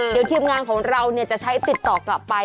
เดี๋ยวทีมงานของเราจะใช้ติดต่อกลับไป